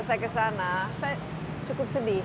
saya kesana saya cukup sedih